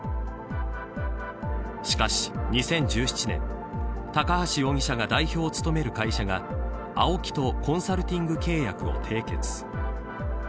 しかし２０１７年高橋容疑者が代表を務める会社がＡＯＫＩとコンサルティング契約を締結。